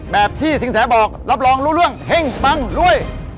แบบที่สินแสบอกรับรองรู้เรื่องเฮ่งปังรวย